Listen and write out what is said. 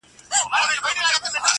زما یادیږي د همدې اوبو پر غاړه٫